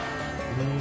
うん！